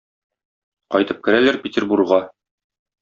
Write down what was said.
Кайтып керәләр Петербурга.